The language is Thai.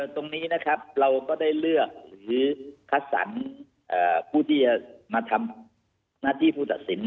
ตรงนี้นะครับเราก็ได้เลือกหรือคัดสรรผู้ที่จะมาทำหน้าที่ผู้ตัดสิน